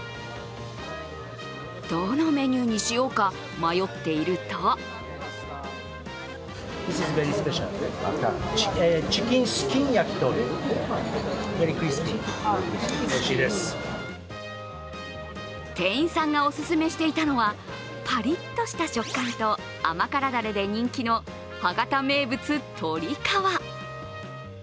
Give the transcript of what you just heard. どのメニューにしようか迷っていると店員さんがオススメしていたのは、パリッとした食感と甘辛ダレで人気の博多名物・とりかわ。